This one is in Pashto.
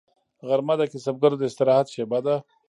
غرمه د کسبګرو د استراحت شیبه ده